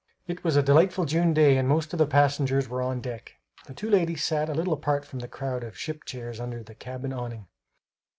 It was a delightful June day and most of the passengers were on deck. Two ladies sat a little apart from the crowd of ship chairs under the cabin awning.